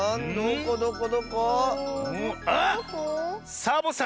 サボさん